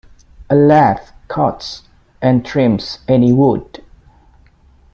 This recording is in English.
A lathe cuts and trims any wood.